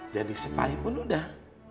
jadi sepaipun udah